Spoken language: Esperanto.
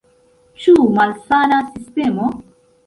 Ĉu malsana sistemo?